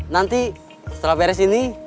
nanti setelah beres ini